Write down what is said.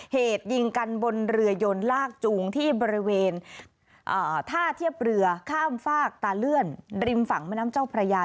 เหตุยิงกันบนเรือยนลากจูงที่บริเวณท่าเทียบเรือข้ามฝากตาเลื่อนริมฝั่งแม่น้ำเจ้าพระยา